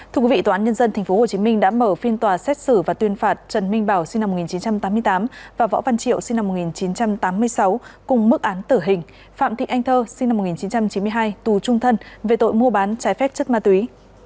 thưa quý vị tòa án nhân dân tp hcm đã mở phiên tòa xét xử và tuyên phạt trần minh bảo sinh năm một nghìn chín trăm tám mươi tám và võ văn triệu sinh năm một nghìn chín trăm tám mươi sáu cùng mức án tử hình phạm thị anh thơ sinh năm một nghìn chín trăm chín mươi hai tù trung thân về tội mua bán trái phép chất ma túy